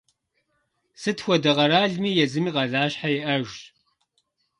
Сыт хуэдэ къэралми езым и къалащхьэ иӀэжщ.